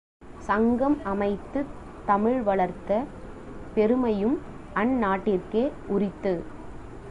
சங்கம் அமைத்துத் தமிழ் வளர்த்த பெருமையும் அந்நாட்டிற்கே உரித்து.